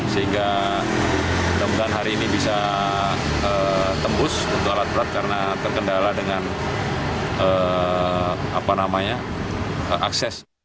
sehingga mudah mudahan hari ini bisa tembus untuk alat berat karena terkendala dengan akses